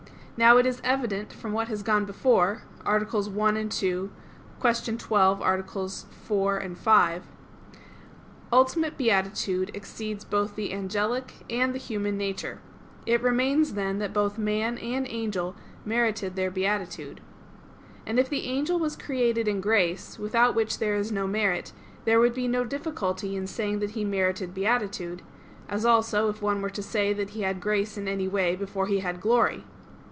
Now it is evident from what has gone before (AA. 1, 2; Q. 12, AA. 4, 5), ultimate beatitude exceeds both the angelic and the human nature. It remains, then, that both man and angel merited their beatitude. And if the angel was created in grace, without which there is no merit, there would be no difficulty in saying that he merited beatitude: as also, if one were to say that he had grace in any way before he had glory.